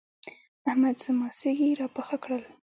احمد زما سږي راپاخه کړل.